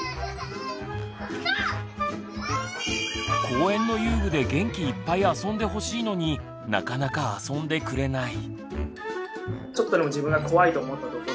公園の遊具で元気いっぱい遊んでほしいのになかなか遊んでくれない。